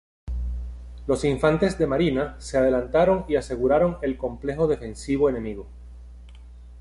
Los infantes de marina se adelantaron y aseguraron el complejo defensivo enemigo.